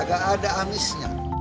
agak ada amisnya